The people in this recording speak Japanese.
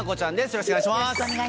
よろしくお願いします。